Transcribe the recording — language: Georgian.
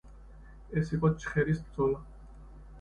ეს იყო ჩხერის ბრძოლა.